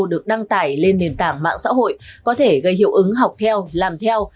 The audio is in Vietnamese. được đăng tải lên nền tảng mạng xã hội có thể gây hiệu ứng học theo làm theo